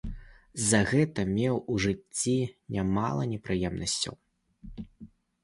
За гэта меў у жыцці нямала непрыемнасцяў.